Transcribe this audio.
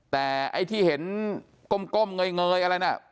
แต่ไอ้ที่เห็นก้มเงยอะไรน่ะ